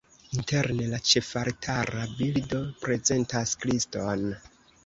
Interne la ĉefaltara bildo prezentas Kriston.